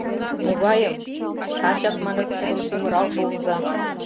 «Могайым?» «Тачак, — маныт, — Тудым сӱмырал шуыза!